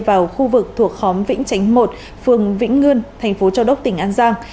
vào khu vực thuộc khóm vĩnh chánh một phường vĩnh ngươn thành phố châu đốc tỉnh an giang